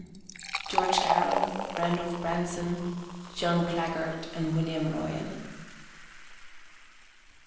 GEORGE CARROLL, RANDOLPH BRANSON, JOHN CLAGART, AND WILLIAM ROYAN.